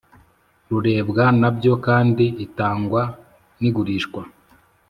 Rurebwa na byo kandi itangwa n igurishwa